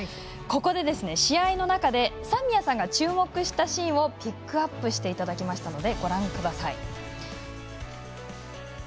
ここで、試合の中で三宮さんが注目したシーンをピックアップしていただきました。